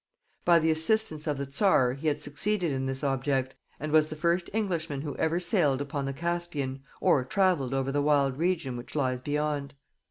By the assistance of the czar he had succeeded in this object, and was the first Englishman who ever sailed upon the Caspian, or travelled over the wild region which lies beyond.